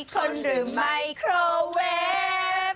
คนหรือไม่โครเวฟ